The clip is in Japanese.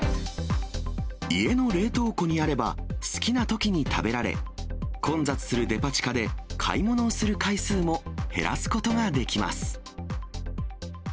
家の冷凍庫にあれば、好きなときに食べられ、混雑するデパ地下で買い物をする回数も減らすことができます。